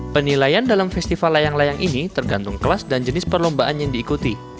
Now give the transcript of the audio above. penilaian dalam festival layang layang ini tergantung kelas dan jenis perlombaan yang diikuti